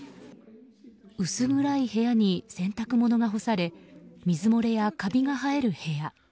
薄暗い部屋に洗濯物が干され水漏れやカビが生える部屋。